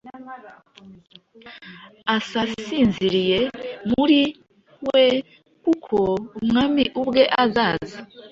asasinziriye muri we. Kuko Umwami ubwe azaza,